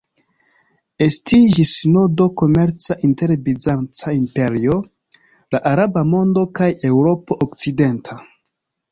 Estiĝis nodo komerca inter Bizanca imperio, la araba mondo kaj Eŭropo okcidenta.